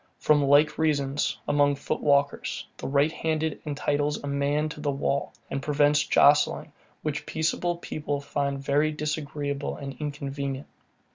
From like reasons, among foot walkers, the right hand entitles a man to the wall, and prevents jostling, which peaceable people find very disagreeable and inconvenient.